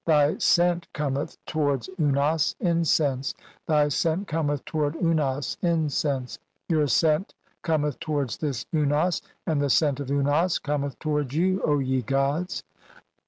Thy scent cometh to "wards Unas, incense ; thy scent cometh toward Unas, "incense. Your scent cometh towards this Unas, and "the scent of Unas cometh towards you, ye gods.